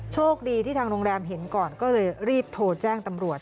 โชคดีที่ทางโรงแรมเห็นก่อนก็เลยรีบโทรแจ้งตำรวจ